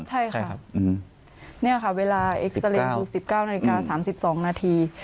ใช่ค่ะนี่ค่ะเวลาเอ็กซาเรย์คือ๑๙นาฬิกา๓๒นาที